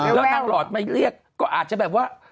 แล้วนางหลอดมาเรียกก็อาจจะแบบว่า